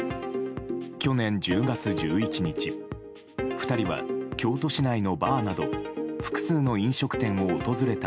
去年１０月１１日２人は京都市内のバーなど複数の飲食店を訪れた